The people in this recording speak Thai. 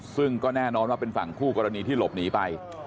ซึ่งก็แน่นอนว่าเป็นฝั่งคู่กรณีที่หลบหนีไป